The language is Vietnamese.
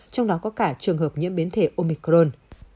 trong đó có cả trường hợp nhiễm biến thể omicron